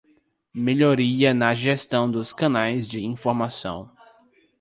Melhoria na gestão dos canais de informação.